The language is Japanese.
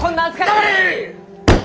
黙れ！